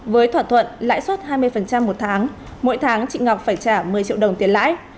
với thỏa thuận lãi suất hai mươi một tháng mỗi tháng chị ngọc phải trả một mươi triệu đồng tiền lãi